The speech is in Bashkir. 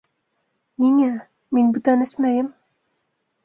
— Ниңә, мин бүтән эсмәйем.